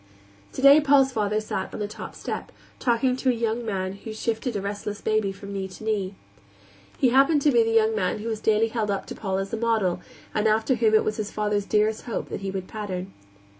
Today Paul's father sat on the top step, talking to a young man who shifted a restless baby from knee to knee. He happened to be the young man who was daily held up to Paul as a model, and after whom it was his father's dearest hope that he would pattern.